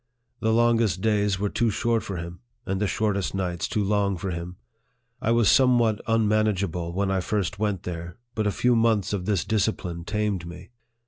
The longest days were too short for him, and the shortest nights too long for him. I was somewhat unmanageable when I first went there, but a few months of this discipline tamed me.